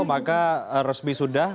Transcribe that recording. maka resmi sudah